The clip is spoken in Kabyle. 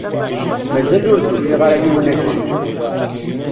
Mazal ur d-ufiɣ ara yiwen akken